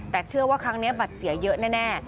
แต่เชื่อว่าครั้งนี้บัตรเสียเยอะแน่